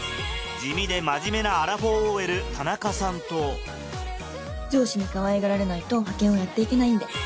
地味で真面目なアラフォーＯＬ田中さんと上司にかわいがられないと派遣はやっていけないんで。